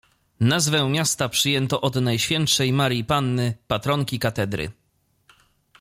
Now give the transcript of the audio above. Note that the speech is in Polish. Nazwę miasta przyjęto od Najświętszej Marii Panny, patronki katedry.